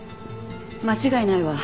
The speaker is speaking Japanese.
間違いないわ。